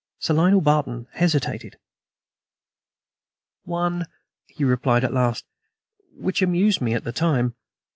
Sir Lionel Barton hesitated. "One," he replied at last, "which amused me at the time.